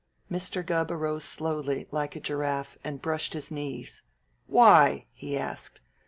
Mr. Gubb arose slowly, like a giraffe, and brushed his knees. "Why?" he asked.